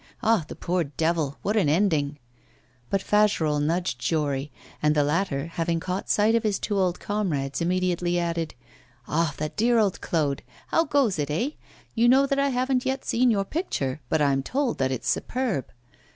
Ah! the poor devil! what an ending!' But Fagerolles nudged Jory, and the latter, having caught sight of his two old comrades, immediately added: 'Ah! that dear old Claude! How goes it, eh? You know that I haven't yet seen your picture. But I'm told that it's superb.